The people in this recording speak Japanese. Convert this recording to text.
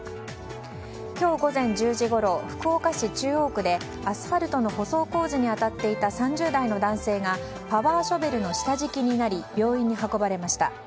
今日午前１０時ごろ福岡市中央区でアスファルトの舗装工事に当たっていた３０代の男性がパワーショベルの下敷きになり病院に運ばれました。